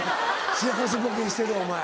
幸せぼけしてるお前。